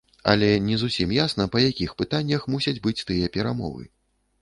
Але не зусім ясна па якіх пытаннях мусяць быць тыя перамовы.